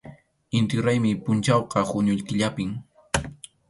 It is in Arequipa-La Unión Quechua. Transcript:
Inti raymi pʼunchawqa junio killapim.